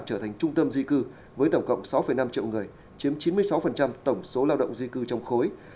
trở thành trung tâm di cư với tổng cộng sáu năm triệu người chiếm chín mươi sáu tổng số lao động di cư trong khối